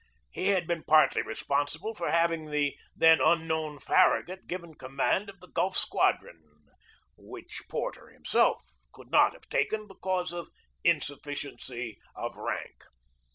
He had been partly respon sible for having the then unknown Farragut given command of the Gulf Squadron, which Porter him self could not have taken because of insufficiency of rank.